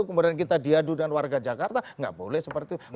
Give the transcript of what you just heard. kemudian kita diadu dengan warga jakarta nggak boleh seperti itu